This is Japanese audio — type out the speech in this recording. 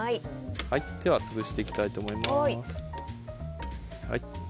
では、潰していきたいと思います。